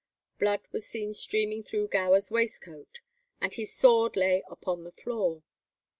Blood was seen streaming through Gower's waistcoat, and his sword lay upon the floor.